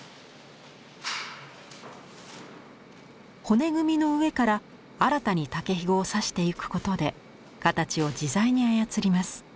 骨組みの上から新たに竹ひごを差していくことで形を自在に操ります。